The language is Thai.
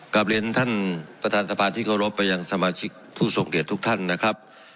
กลับเรียนท่านประธานสภาที่เคารพไปยังสมาชิกผู้ทรงเดชทุกท่านนะครับ